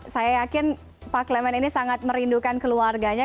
saya yakin pak klemen ini sangat merindukan keluarganya